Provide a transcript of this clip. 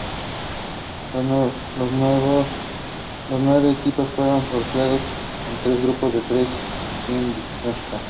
Los nueve equipos fueron sorteados en tres grupos de tres, sin distinción zonal.